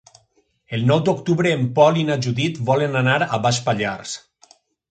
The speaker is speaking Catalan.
El nou d'octubre en Pol i na Judit volen anar a Baix Pallars.